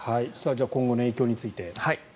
今後の影響について。